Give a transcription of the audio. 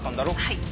はい。